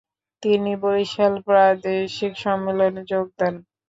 তিনি বরিশাল প্রাদেশিক সম্মেলনে যোগ দেন।